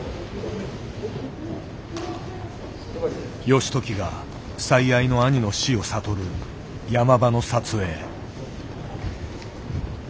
義時が最愛の兄の死を悟る山場の撮影。